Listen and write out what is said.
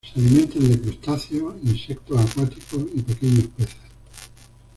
Se alimentan de crustáceos, insectos acuáticos y pequeños peces.